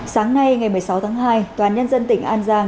sáng nay ngày một mươi sáu tháng hai tòa nhân dân tỉnh an giang